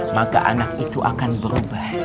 maka anak itu akan berubah